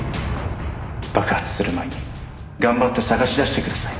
「爆発する前に頑張って捜し出してください」